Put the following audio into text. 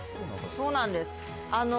そうなんです。